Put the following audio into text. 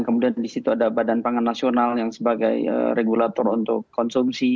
kemudian di situ ada badan pangan nasional yang sebagai regulator untuk konsumsi